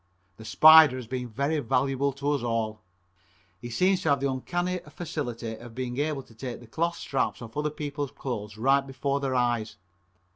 The Spider has been very valuable to us all. He seems to have the uncanny faculty of being able to take the cloth straps off other people's clothes right before their eyes.